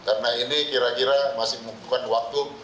karena ini kira kira masih membutuhkan waktu